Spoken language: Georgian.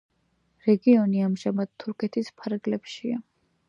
რეგიონი ამჟამად თურქეთის ფარგლებშია.